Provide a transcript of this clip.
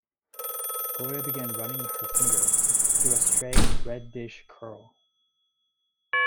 Gloria began running her finger through a stray red-dish curl.